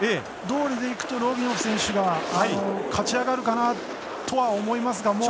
どうりでいくとロギノフ選手が勝ち上がるかなとは思いますが。